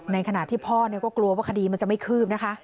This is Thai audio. ในขณะที่พ่อก็กลัวว่าคดีมันจะไม่คืบนะคะ